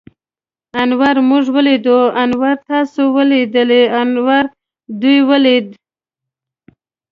انور موږ وليدلو. انور تاسې وليدليٙ؟ انور دوی وليدل.